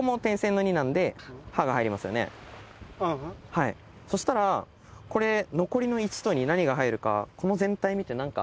はいそしたらこれ残りの１と２何が入るかこの全体見て何か。